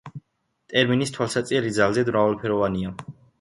ტერმინის თვალსაწიერი ძალზედ მრავალფეროვანია.